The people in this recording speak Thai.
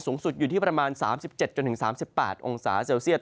สูงสุดอยู่ที่ประมาณ๓๗๓๘องศาเซลเซียต